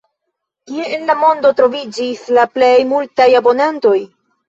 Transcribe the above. Kie en la mondo troviĝis la plej multaj abonantoj?